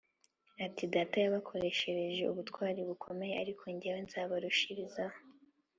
ati “Data yabakoresheje uburetwa bukomeye ,ariko jyewe nzabarushirizaho